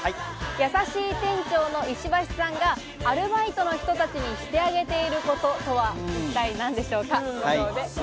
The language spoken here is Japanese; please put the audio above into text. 優しい店長の石橋さんがアルバイトの人たちにしてあげていることとは一体何でしょうか？